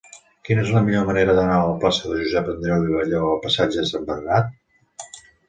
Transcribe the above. Quina és la millor manera d'anar de la plaça de Josep Andreu i Abelló al passatge de Sant Bernat?